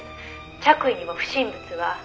「着衣にも不審物は」